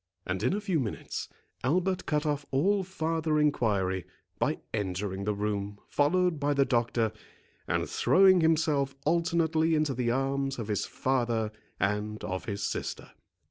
And in a few minutes, Albert cut off all farther enquiry, by entering the room, followed by the doctor, and throwing himself alternately into the arms of his father and of his sister.